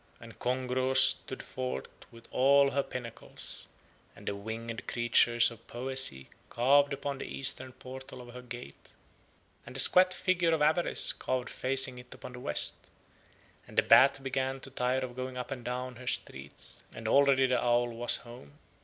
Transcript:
And Kongros stood forth with all her pinnacles, and the winged figure of Poesy carved upon the eastern portal of her gate, and the squat figure of Avarice carved facing it upon the west; and the bat began to tire of going up and down her streets, and already the owl was home.